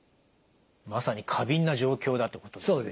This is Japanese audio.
まさに過敏な状況だっていうことですね？